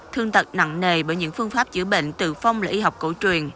thương tật nặng nề bởi những phương pháp chữa bệnh từ phong lễ y học cổ truyền